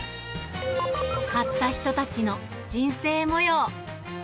買った人たちの人生もよう。